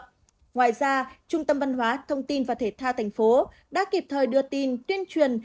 ngoài ra trung tâm văn hóa thông tin và thể tha tp hcm đã kịp thời đưa tin tuyên truyền